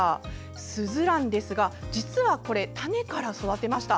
すずらんですが実は種から育てました。